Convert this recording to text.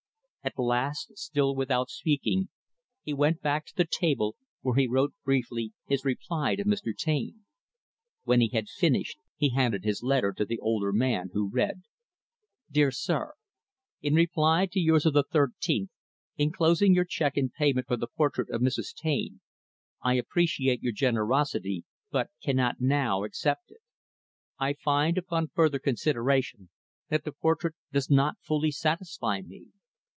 At last, still without speaking, he went back to the table, where he wrote briefly his reply to Mr. Taine. When he had finished, he handed his letter to the older man, who read: Dear Sir: In reply to yours of the 13th, inst., enclosing your check in payment for the portrait of Mrs. Taine; I appreciate your generosity, but cannot, now, accept it. I find, upon further consideration, that the portrait does not fully satisfy me.